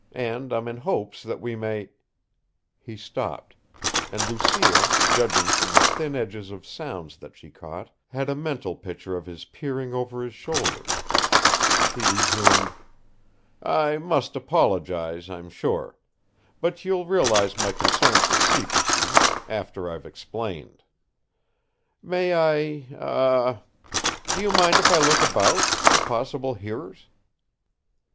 And I'm in hopes that we may " He stopped, and Lucille, judging from the thin edges of sounds that she caught, had a mental picture of his peering over his shoulder. He resumed: "I must apologize, I'm sure. But you'll realize my concern for secrecy after I've explained. May I ah h h do you mind if I look about, for possible hearers?"